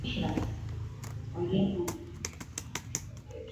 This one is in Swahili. Hakikisha wanyama wageni wanaoletwa kwenye kundi ni wazima kiafya